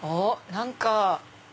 何か。